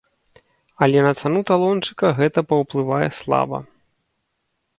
Але на цану талончыка гэта паўплывае слаба.